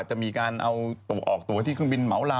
จะมีการเอาออกตัวที่เครื่องบินเหมาลา